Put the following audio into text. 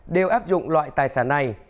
đều áp dụng loại tài sản này